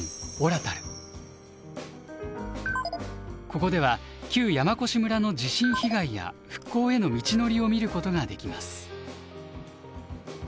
ここでは旧山古志村の地震被害や復興への道のりを見ることができます。